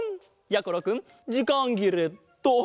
やころくんじかんぎれット。